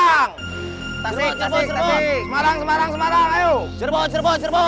tasik tasik tasik